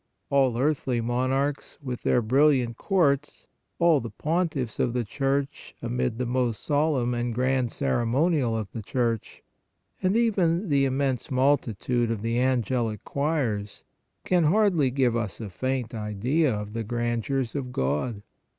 All earthly monarchs with their brilliant courts, all the Pontiffs of the Church amid the most solemn and grand Ceremonial of the Church, and even the im mense multitude of the angelic choirs, can hardly give us a faint idea of the grandeurs of God.